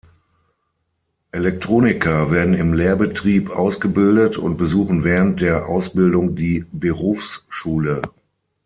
Elektroniker werden im Lehrbetrieb ausgebildet und besuchen während der Ausbildung die Berufsschule.